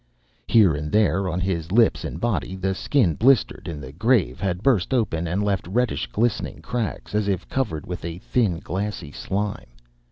Here and there on his lips and body, the skin, blistered in the grave, had burst open and left reddish glistening cracks, as if covered with a thin, glassy slime.